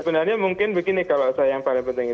sebenarnya mungkin begini kalau saya yang paling penting